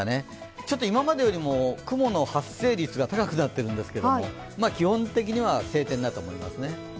ちょっと今までよりも雲の発生率が高くなっているんですけれども、基本的には晴天だと思いますね。